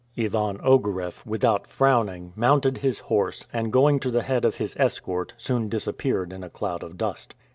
Ivan Ogareff, without frowning, mounted his horse, and going to the head of his escort, soon disappeared in a cloud of dust.